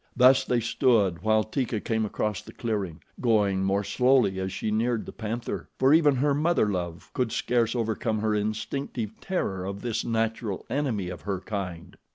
Thus they stood while Teeka came across the clearing, going more slowly as she neared the panther, for even her mother love could scarce overcome her instinctive terror of this natural enemy of her kind.